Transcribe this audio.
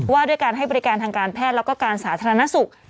ว่าด้วยการให้บริการทางการแพทย์แล้วก็การสาธารณสุข